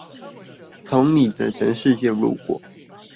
從你的全世界路過